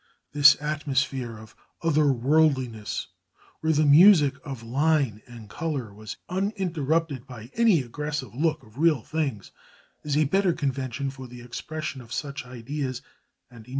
This atmosphere of other worldliness where the music of line and colour was uninterrupted by any aggressive look of real things is a better convention for the expression of such ideas and emotions.